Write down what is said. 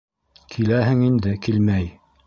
Киләһең инде, килмәй...